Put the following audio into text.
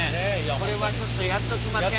これはちょっとやっときません？